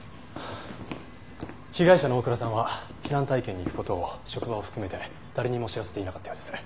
被害者の大倉さんは避難体験に行く事を職場も含めて誰にも知らせていなかったようです。